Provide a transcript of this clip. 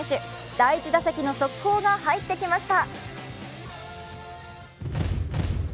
第１打席の速報が入ってきました。